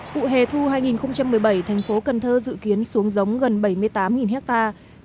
vụ hè thu hai nghìn một mươi bảy thành phố cần thơ dự kiến xuống giống gần bảy mươi tám hectare